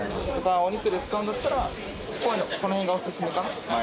お肉で使うんだったら、この辺がお勧めかな。